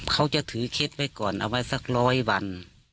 เขาจะถือเคล็ดไว้ก่อนเอาไว้สักร้อยวัน